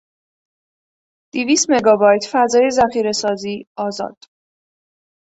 دویست مگابایت فضای ذخیرهسازی آزاد